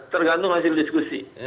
tergantung hasil diskusi